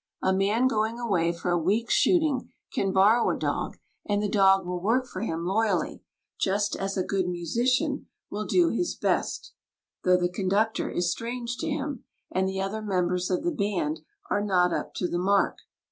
A man going away for a week's shooting can borrow a dog, and the dog will work for him loyally, just as a good musician will do his best, though the conductor is strange to him, and the other members of the band are not up to the mark.